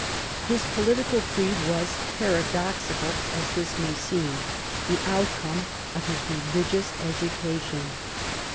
His political creed was, paradoxical as this may seem, the outcome of his religious education.